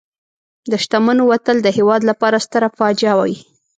د شتمنو وتل د هېواد لپاره ستره فاجعه وي.